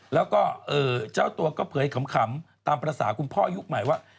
แล้วก็เจ้าตัวก็เผยขำตามภาษาคุณพ่อยุคใหม่ว่า